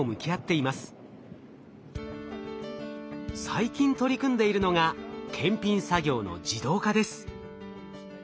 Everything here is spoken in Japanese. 最近取り組んでいるのが検品作業の自動化です。